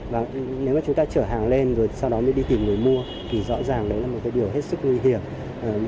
và nếu mà chúng ta chở hàng lên rồi sau đó mới đi tìm người mua thì rõ ràng đấy là một cái điều hết sức nguy hiểm